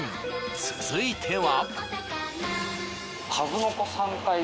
続いては。